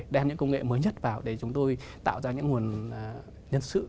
đem những công nghệ mới nhất vào để chúng tôi tạo ra những nguồn nhân sự